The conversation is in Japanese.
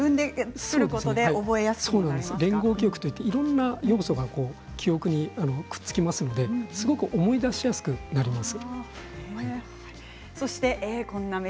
連合記憶といっていろいろな要素が記憶にくっつきますので思い出しやすくなります。